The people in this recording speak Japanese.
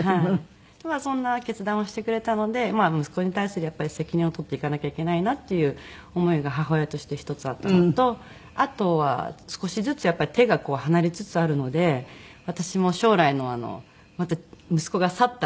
まあそんな決断をしてくれたので息子に対する責任を取っていかなきゃいけないなっていう思いが母親として一つあったのとあとは少しずつやっぱり手が離れつつあるので私も将来のまた息子が去った